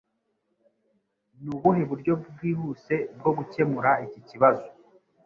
Nubuhe buryo bwihuse bwo gukemura iki kibazo